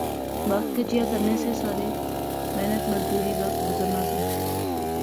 بخت کجیا کرنے سے سارے، محنت مزدوری، وقت گزرنا سا